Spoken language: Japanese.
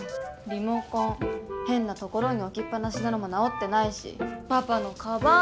リモコン変なところに置きっぱなしなのも直ってないしパパのかばん